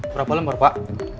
berapa lembar pak